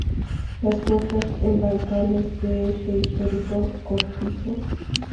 Las huertas en bancales de este histórico cortijo